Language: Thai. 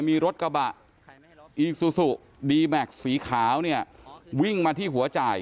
มีรถกระบะอีซูซูดีแม็กซ์สีขาวเนี่ยวิ่งมาที่หัวจ่าย